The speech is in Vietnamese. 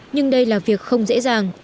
nhưng đây là việc không dễ dàng